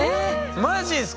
マジっすか。